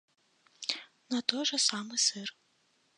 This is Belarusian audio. На той жа самы сыр.